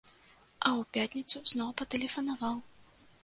А ў пятніцу зноў патэлефанаваў.